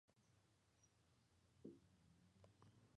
Fue educado en su comarca natal hasta entrar en la orden benedictina.